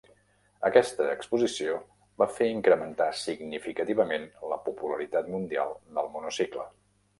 Aquesta exposició va fer incrementar significativament la popularitat mundial del monocicle.